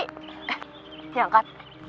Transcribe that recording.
eh siang kan